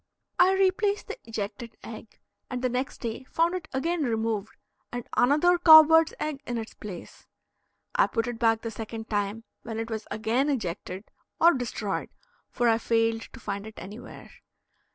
I replaced the ejected egg, and the next day found it again removed, and another cow bird's egg in its place; I put it back the second time, when it was again ejected, or destroyed, for I failed to find it anywhere.